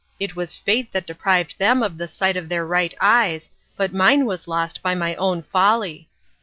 It was fate that deprived them of the sight of their right eyes, but mine was lost by my own folly.